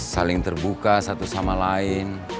saling terbuka satu sama lain